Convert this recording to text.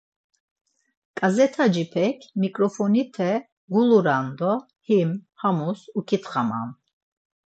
Ǩazetacipek miǩrofonite guluran do him hamus uǩitxaman.